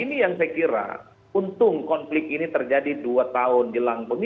ini yang saya kira untung konflik ini terjadi dua tahun jelang pemilu